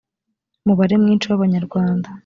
mubare mwinshi w abanyarwanda